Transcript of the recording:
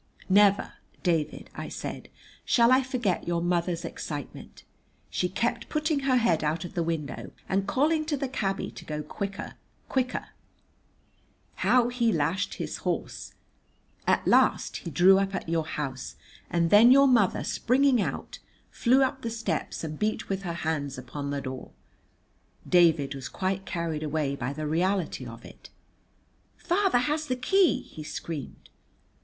"Never, David," I said, "shall I forget your mother's excitement. She kept putting her head out of the window and calling to the cabby to go quicker, quicker. How he lashed his horse! At last he drew up at your house, and then your mother, springing out, flew up the steps and beat with her hands upon the door." David was quite carried away by the reality of it. "Father has the key!" he screamed.